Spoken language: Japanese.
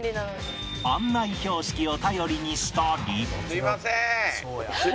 案内標識を頼りにしたり